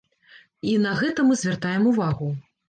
І на гэта мы звяртаем увагу.